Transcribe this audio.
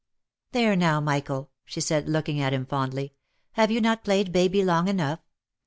" There now, Michael," she said, looking at him fondly ;" have you not played baby long enough?